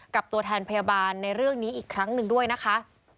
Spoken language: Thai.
กับตัวแทนพยาบาลในเรื่องนี้อีกครั้งหนึ่งด้วยนะคะ